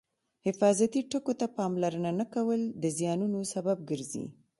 حفاظتي ټکو ته پاملرنه نه کول د زیانونو سبب ګرځي.